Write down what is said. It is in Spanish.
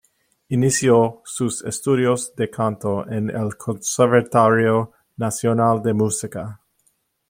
Inició sus estudios de canto en el Conservatorio Nacional de Música.